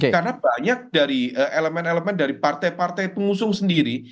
karena banyak dari elemen elemen dari partai partai pengusung sendiri